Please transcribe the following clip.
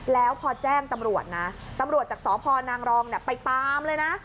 แล้วพอแจ้งตำรวจนะตำรวจจากสพนางรองไปตามเลยนะ